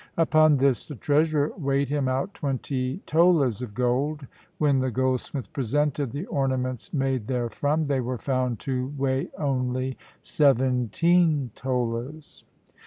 Upon this the treasurer weighed him out twenty tolas of gold. When the goldsmith presented the ornaments made therefrom, they were found to weigh only seventeen tolas.